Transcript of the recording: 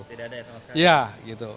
tidak ada itu mas